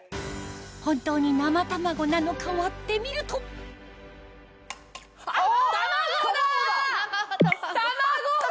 本当に生卵なのか割ってみると卵だ！